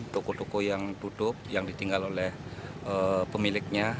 toko toko yang tutup yang ditinggal oleh pemiliknya